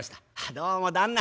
「どうも旦那。